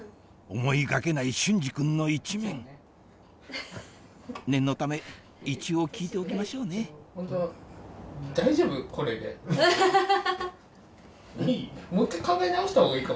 思いがけない隼司君の一面念のため一応聞いておきましょうねハハハハ！